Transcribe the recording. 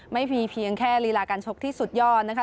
ไม่มีเพียงแค่ลีลาการชกที่สุดยอดนะคะ